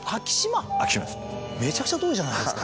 めちゃくちゃ遠いじゃないですか。